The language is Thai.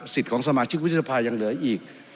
สิทธิของสมาชิกวิทธิภาคยังเหลืออีก